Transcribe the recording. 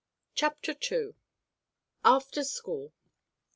CHAPTER II. AFTER SCHOOL.